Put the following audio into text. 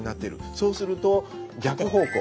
そうすると逆方向